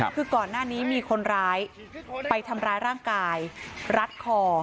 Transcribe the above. คือก่อนหน้านี้มีคนร้ายไปทำร้ายร่างกายรัดคอ